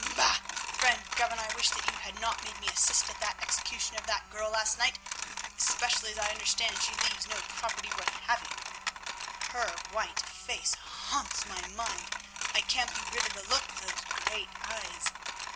Bah! friend Governor, I wish that you had not made me assist at the execution of that girl last night, especially as I understand she leaves no property worth having; her white face haunts my mind, I can't be rid of the look of those great eyes.